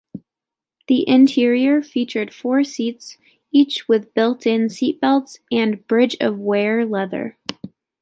The interior featured four seats each with built-in seatbelts and Bridge of Weir leather.